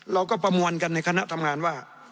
ประมวลกันในคณะทำงานว่า